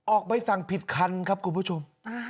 ใบสั่งผิดคันครับคุณผู้ชม